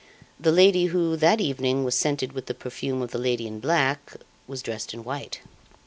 The lady who, that evening, was scented with the perfume of the lady in black, was dressed in white.